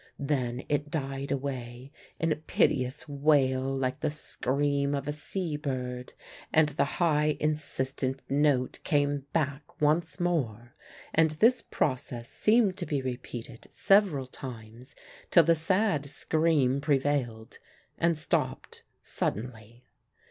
Then it died away in a piteous wail like the scream of a sea bird, and the high insistent note came back once more, and this process seemed to be repeated several times till the sad scream prevailed, and stopped suddenly.